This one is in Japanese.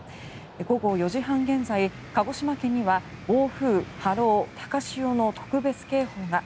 午後４時半現在、鹿児島県には暴風、波浪、高潮の特別警報が。